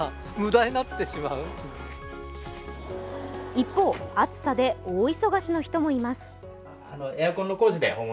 一方、暑さで大忙しの人もいます